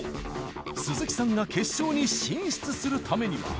鈴木さんが決勝に進出するためには。